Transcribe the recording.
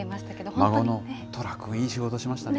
孫の寅君、いい仕事しましたね。